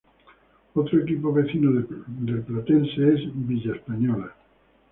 Otro equipo vecino de Platense es Villa Española.